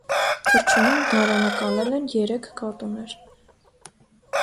Թռչունին դարանակալել են երեք կատուներ։